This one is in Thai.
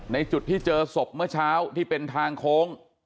ในจุดที่เจอศพเมื่อเช้าที่เป็นทางโค้ง